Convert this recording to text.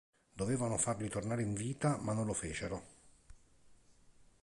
Dovevano farli tornare in vita, ma non lo fecero.